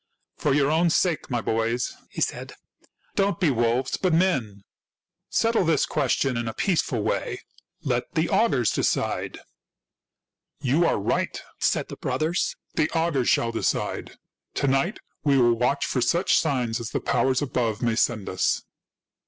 " For your own sakes, my boys," he said, " don't be wolves, but men. Settle this question in a peaceful way. Let the augurs decide." " You are right," said the brothers ;" the augurs shall decide. To night we will watch for such signs as the powers above may send us."